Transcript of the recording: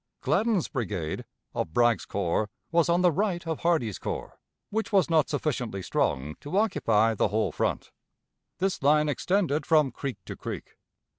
Gladden's brigade, of Bragg's corps, was on the right of Hardee's corps, which was not sufficiently strong to occupy the whole front. This line extended from creek to creek.